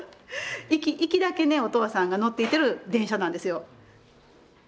行きだけねお父さんが乗っていってる電車なんですよ。